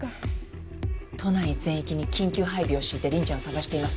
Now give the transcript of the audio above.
都内全域に緊急配備を敷いて凛ちゃんを捜しています。